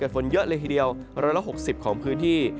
ฝนเยอะเลยทีเดียว๑๖๐ของพื้นที่